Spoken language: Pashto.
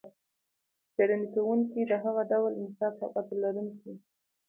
څېړنې کوونکي د هغه ډول انصاف او عدل لرونکي و.